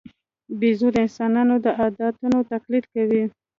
بیزو د انسانانو د عادتونو تقلید کوي.